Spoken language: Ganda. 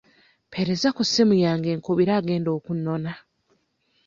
Mpeereza ku ssimu yange nkubira agenda okunnona.